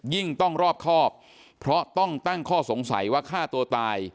ยิ่งต้องรอบครอบเพราะต้องตั้งข้อสงสัยว่าฆ่าตัวตาย